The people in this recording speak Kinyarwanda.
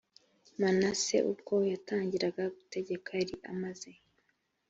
manase ubwo yatangiraga gutegeka yari amaze